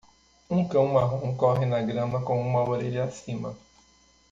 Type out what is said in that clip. Um cão marrom corre na grama com uma orelha acima.